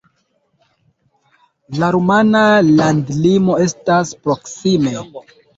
La rumana landlimo estas proksime.